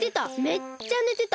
めっちゃねてた！